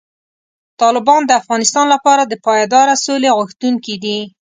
طالبان د افغانستان لپاره د پایداره سولې غوښتونکي دي.